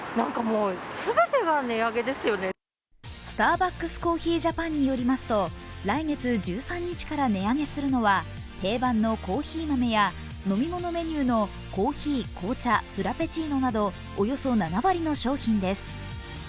スターバックスコーヒージャパンによりますと来月１３日から値上げするのは定番のコーヒー豆や飲み物メニューのコーヒー、紅茶、フラペチーノなどおよそ７割の商品です。